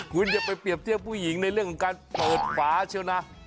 คุณจะไปเปรียบเที่ยวผู้หญิงในเรื่องของการเปิดฝาใช่ไหมนะ